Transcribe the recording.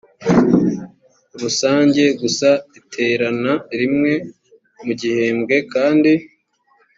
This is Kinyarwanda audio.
rusange gusa iterana rimwe mu gihembwe kandi